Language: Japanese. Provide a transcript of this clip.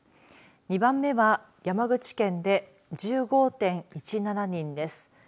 ２番目は山口県で１５．１７人です。